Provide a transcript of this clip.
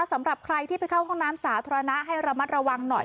สำหรับใครที่ไปเข้าห้องน้ำสาธารณะให้ระมัดระวังหน่อย